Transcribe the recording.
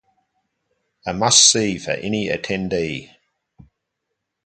A must-see for any attendee.